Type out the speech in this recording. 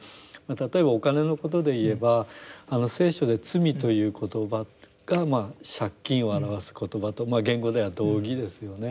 例えばお金のことで言えば聖書で罪という言葉が借金を表す言葉と原語では同義ですよね。